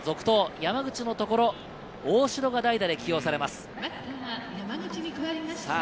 山口のところ大城が代打で投入されます。